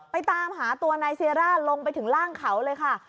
ตามหาตัวนายเซร่าลงไปถึงล่างเขาเลยค่ะ